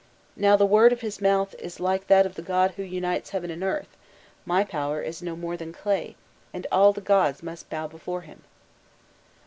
Now, the word of his mouth is like that of the god who unites heaven and earth; my power is no more than clay, and all the gods must bow before him.